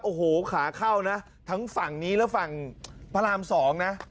โอ้โหขาเข้านะทั้งฝั่งนี้และฝั่งพระราม๒นะ